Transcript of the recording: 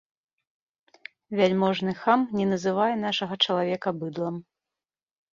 Вяльможны хам не называе нашага чалавека быдлам.